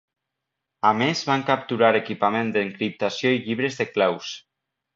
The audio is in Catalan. A més van capturar equipament d'encriptació i llibres de claus.